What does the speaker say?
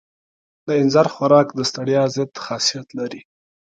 د اینځر خوراک د ستړیا ضد خاصیت لري.